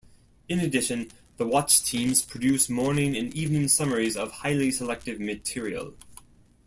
In addition, the Watch Teams produce morning and evening summaries of highly selective material.